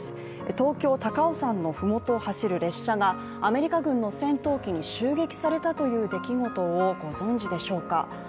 東京・高尾山の麓を走る列車がアメリカ軍の戦闘機に襲撃されたという出来事をご存じでしょうか。